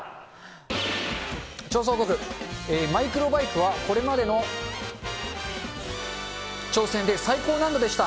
調査報告、マイクロバイクはこれまでの挑戦で最高難度でした。